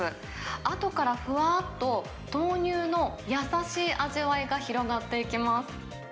あとからふわっと、豆乳の優しい味わいが広がっていきます。